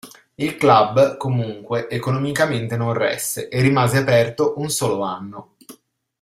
Il club comunque economicamente non resse e rimase aperto un solo anno.